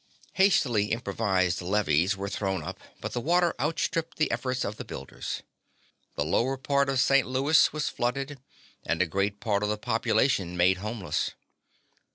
Hastily improvised levees were thrown up, but the water outstripped the efforts of the builders. The lower part of St. Louis was flooded, and a great part of the population made homeless.